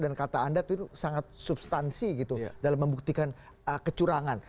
dan kata anda itu sangat substansi dalam membuktikan kecurangan